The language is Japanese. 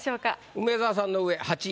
梅沢さんの上８位。